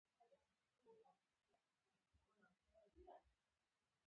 دا شرکت باید د نورو په څېر کارونه و نهکړي